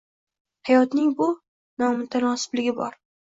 Hayotning bu nomutanosibligi bor.